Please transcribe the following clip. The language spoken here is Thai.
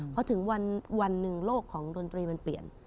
พอถึงวันหนึ่งโลกของดนตรีมันเปลี่ยน